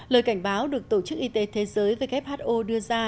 lời cảnh báo được tổ chức y tế thế giới who đưa ra